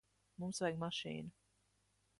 Mums vajag mašīnu.